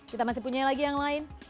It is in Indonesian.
kita masih punya lagi yang lain